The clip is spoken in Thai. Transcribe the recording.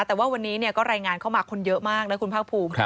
แต่ว่าวันนี้ก็รายงานเข้ามาคนเยอะมากนะคุณภาคภูมิ